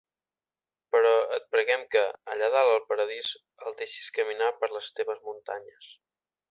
Però et preguem que, allà dalt al Paradís, el deixis caminar per les teves muntanyes.